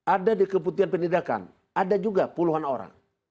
ada di keputian pendidikan ada juga puluhan orang